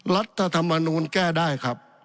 รัฐธรรมนูลแก้ได้ครับ